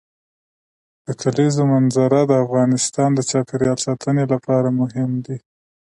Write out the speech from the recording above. د کلیزو منظره د افغانستان د چاپیریال ساتنې لپاره مهم دي.